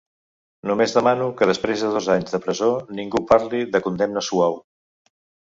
Només demano que després de dos anys de presó ningú parli de condemna suau.